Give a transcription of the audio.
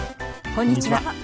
こんにちは。